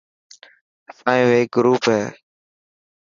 اسانيو هيڪ گروپ هي.